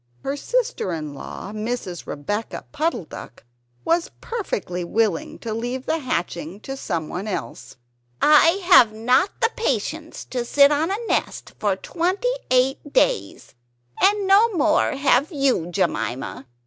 Her sister in law, Mrs. Rebeccah Puddle duck, was perfectly willing to leave the hatching to someone else "I have not the patience to sit on a nest for twenty eight days; and no more have you, Jemima.